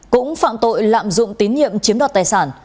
cũng phạm tội lạm dụng tín nhiệm chiếm đoạt tài sản